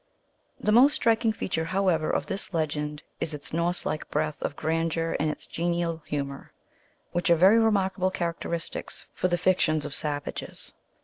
The most striking feature, however, of this legend is its Norse like breadth or grandeur and its genial humor, which are very remarkable characteristics for the fictions of savages.